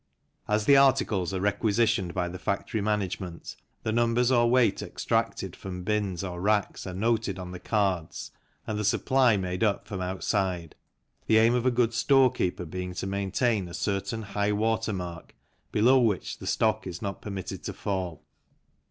As the articles are requisitioned by the factory management, the numbers or weight extracted from bins or racks are noted on the cards and the supply made up from outside, the aim of a good storekeeper being to maintain a certain high water mark, below which the stock is not permitted to fall.